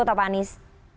atau pak anies